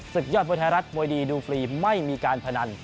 ยอดมวยไทยรัฐมวยดีดูฟรีไม่มีการพนัน